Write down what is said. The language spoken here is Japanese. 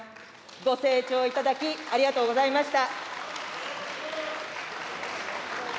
ご静聴いただきありがとうございました。